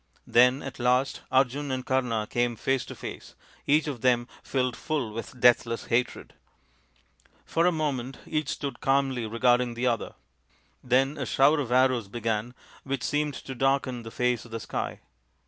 Then, at last, Arjun and Kama came face to face, each of them filled full with deathless hatred. For a moment each stood calmly regarding the other. Then a shower of arrows began which seemed to darken the face of the sky.